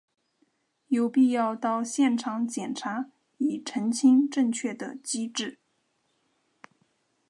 有必要到现场检查以澄清正确的机制。